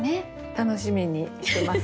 楽しみにしてます。